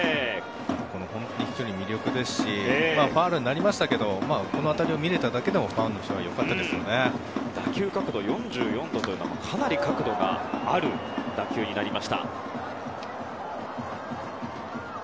飛距離が魅力ですしファウルになりましたけどこの当たりを見れただけでもファンの方は打球角度４４度というのはかなり角度がある打球になりました。